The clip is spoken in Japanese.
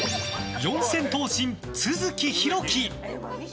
四千頭身・都築拓紀。